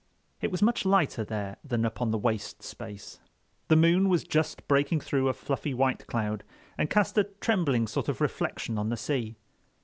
It was much lighter there than up on the waste space. The moon was just breaking through a fluffy white cloud and cast a trembling sort of reflection on the sea.